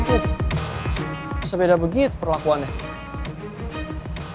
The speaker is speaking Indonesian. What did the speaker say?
oh sebeda begini tuh perlakuannya